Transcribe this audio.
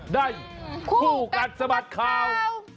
คู่กัดสะบัดข่าว